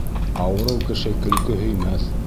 Ауырыу кеше көлкө һөймәҫ.